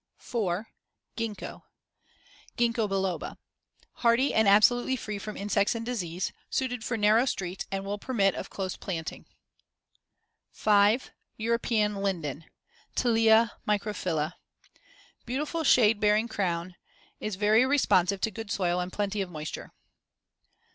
[Illustration: FIG. 93. Street Trees. Norway Maples.] 4. Gingko (Gingko biloba) Hardy and absolutely free from insects and disease; suited for narrow streets, and will permit of close planting. 5. European linden (Tilia microphylla) Beautiful shade bearing crown; is very responsive to good soil and plenty of moisture.